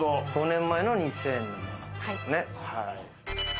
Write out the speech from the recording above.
５年前の２０００円のものですね。